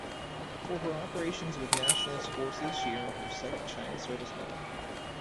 For her operations with Nationalist Forces she earned her second China Service Medal.